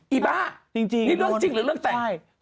อีบ๊ะนี่เรื่องจริงหรือเรื่องแต่งจริงจริง